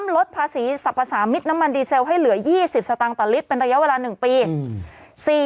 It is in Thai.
ลดภาษีสรรพสามิตรน้ำมันดีเซลให้เหลือ๒๐สตางค์ต่อลิตรเป็นระยะเวลา๑ปี